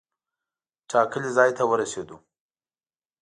ټاکلي ځای ته ورسېدو.